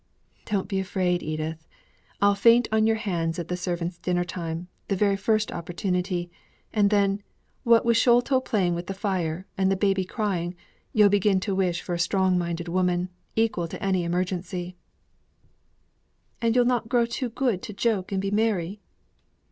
"Don't be afraid, Edith. I'll faint on your hands at the servants' dinner time, the very first opportunity; and then, what with Sholto playing with the fire, and the baby crying, you'll begin to wish for a strong minded woman, equal to any emergency." "And you'll not grow too good to joke and be merry?"